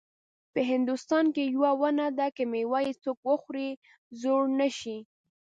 په هندوستان کې یوه ونه ده که میوه یې څوک وخوري زوړ نه شي.